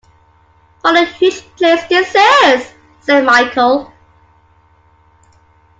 “What a huge place this is!” said Michael.